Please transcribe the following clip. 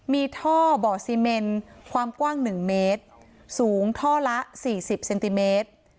มีท่อบ่อซีเมนความกว้าง๑เมตรสูงท่อละ๔๐เซนติเมตร